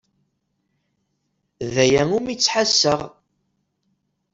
D aya umi ttḥassaɣ.